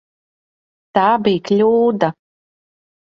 Tā bija kļūda.